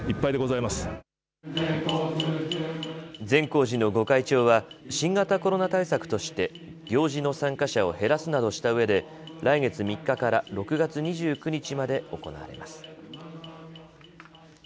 善光寺の御開帳は新型コロナ対策として行事の参加者を減らすなどしたうえで来月３日から６月２９日まで行われます。